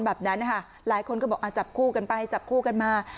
แบบนั้นนะคะหลายคนก็บอกจับคู่กันไปจับคู่กันมา